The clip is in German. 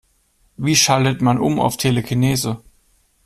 Wie schaltet man um auf Telekinese?